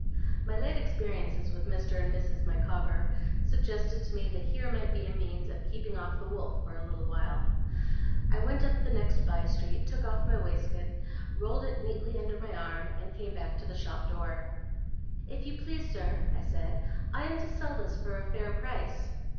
My late experiences with Mr. and Mrs. Micawber suggested to me that here might be a means of keeping off the wolf for a little while. I went up the next by street, took off my waistcoat, rolled it neatly under my arm, and came back to the shop door. 'If you please, sir,' I said, 'I am to sell this for a fair price.